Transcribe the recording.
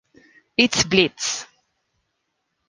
It's Blitz!